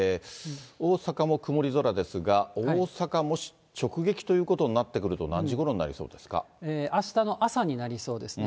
大阪も曇り空ですが、大阪、もし直撃ということになってくると、あしたの朝になりそうですね。